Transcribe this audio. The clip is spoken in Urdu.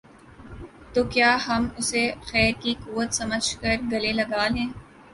تو کیا ہم اسے خیر کی قوت سمجھ کر گلے لگا لیں گے؟